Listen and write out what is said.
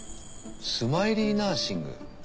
『スマイリー・ナーシング』？